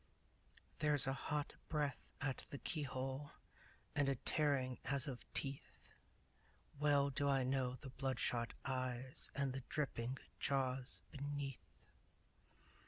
There's a hot breath at the keyhole And a tearing as of teeth! Well do I know the bloodshot eyes And the dripping jaws beneath!